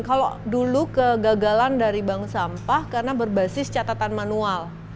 kalau dulu kegagalan dari bank sampah karena berbasis catatan manual